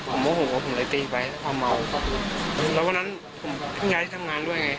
ผมโม่ห่วงว่าผมเลยตีไปแล้วเขาเมาแล้ววันนั้นผมที่งายที่ทำงานด้วยไง